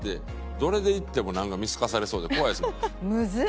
どれでいってもなんか見透かされそうで怖いですもん。